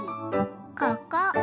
ここ。